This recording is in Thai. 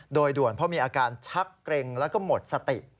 โดยด่วนเพราะมีอาการชักเกร็งแล้วก็หมดสติ